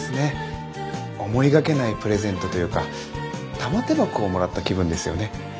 思いがけないプレゼントというか玉手箱をもらった気分ですよね